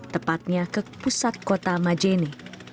tepatnya ke pusat kota majene